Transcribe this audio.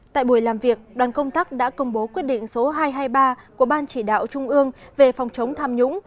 tại buổi làm việc đoàn công tác đã công bố quyết định số hai trăm hai mươi ba của ban chỉ đạo trung ương về phòng chống tham nhũng